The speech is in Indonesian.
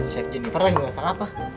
chef jennifer lagi masak apa